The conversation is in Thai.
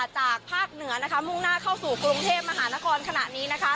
จากภาคเหนือมุ่งหน้าเข้าสู่กรุงเทพมหานครขณะนี้